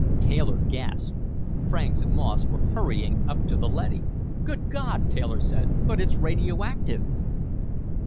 Taylor gasped Franks and Moss were hurrying up to the leady! "Good God!" Taylor said. "But it's radioactive!"